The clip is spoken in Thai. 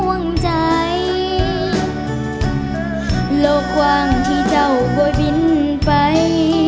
โลกว่างที่เจ้าโบยปินไขโลกว่างที่เจ้าบ่อยบินไข